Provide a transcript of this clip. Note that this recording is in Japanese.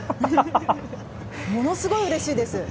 ものすごいうれしいです。